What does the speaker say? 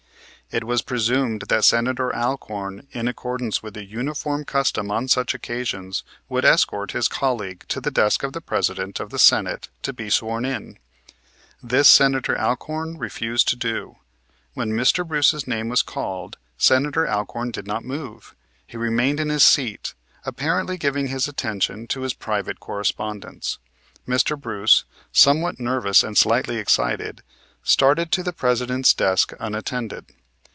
It was presumed that Senator Alcorn, in accordance with the uniform custom on such occasions, would escort his colleague to the desk of the President of the Senate to be sworn in. This Senator Alcorn refused to do. When Mr. Bruce's name was called Senator Alcorn did not move; he remained in his seat, apparently giving his attention to his private correspondence. Mr. Bruce, somewhat nervous and slightly excited, started to the President's desk unattended.